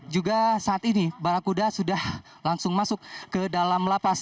juga saat ini barakuda sudah langsung masuk ke dalam lapas